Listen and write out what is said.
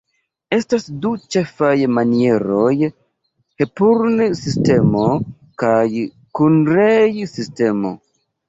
Estas du ĉefaj manieroj: Hepurn-sistemo kaj Kunrei-sistemo.